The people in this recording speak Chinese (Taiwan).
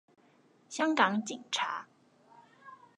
香港警察